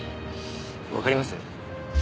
わかります？